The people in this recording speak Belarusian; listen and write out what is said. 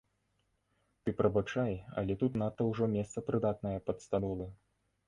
Ты прабачай, але тут надта ўжо месца прыдатнае пад стадолы.